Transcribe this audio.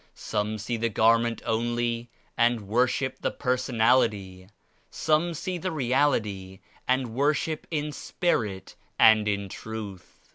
Some see the garment only and worship the Personality; some see the Reality and worship in ^Spirit and in Truth.'